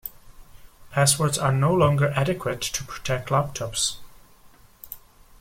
Passwords are no longer adequate to protect laptops.